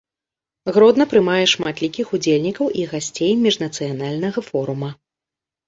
Гродна прымае шматлікіх удзельнікаў і гасцей міжнацыянальнага форума.